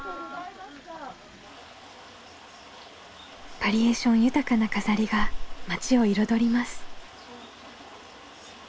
バリエーション豊かな飾りが町を彩ります。